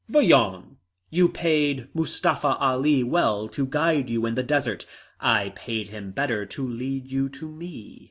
Voyons! You paid Mustafa Ali well to guide you in the desert. I paid him better to lead you to me.